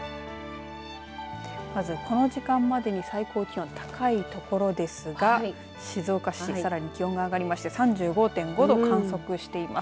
まずこの時間までの最高気温、高いところですが静岡市さらに気温が上がりまして３５．５度を観測しています。